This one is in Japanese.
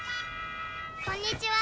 「こんにちは」